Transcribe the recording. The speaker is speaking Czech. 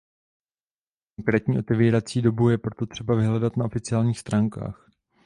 Konkrétní otevírací dobu je proto třeba vyhledat na oficiálních stránkách.